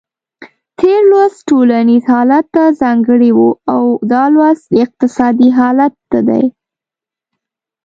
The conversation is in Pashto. تېر لوست ټولنیز حالت ته ځانګړی و او دا لوست اقتصادي حالت ته دی.